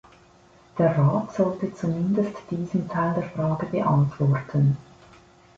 Der Rat sollte zumindest diesen Teil der Frage beantworten.